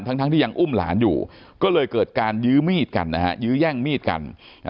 ทั้งที่ยังอุ้มหลานอยู่ก็เลยเกิดการยื้อมีดกันนะฮะยื้อแย่งมีดกัน